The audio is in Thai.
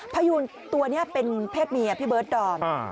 พยูนตัวนี้เป็นเพศเมียพี่เบิร์ดดอม